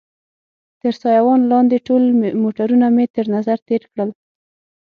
تر سایوان لاندې ټول موټرونه مې تر نظر تېر کړل.